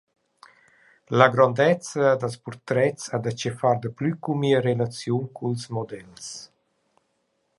La grondezza dals purtrets ha dachefar daplü cun mia relaziun culs models.